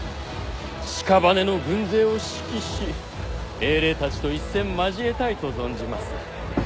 しかばねの軍勢を指揮し英霊たちと一戦交えたいと存じます。